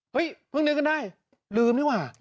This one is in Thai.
เพิ่งนึกกันได้ลืมนี่ว่ะ